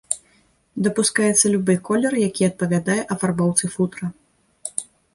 Дапускаецца любы колер, які адпавядае афарбоўцы футра.